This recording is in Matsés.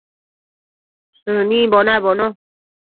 Shënimbo nabono